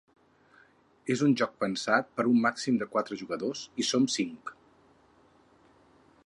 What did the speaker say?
És un joc pensat per a un màxim de quatre jugadors i som cinc.